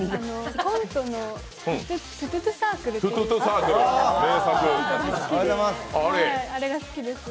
コントの「トゥトゥトゥサークル」が好きです。